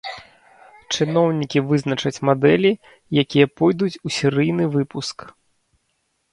Чыноўнікі вызначаць мадэлі, якія пойдуць у серыйны выпуск.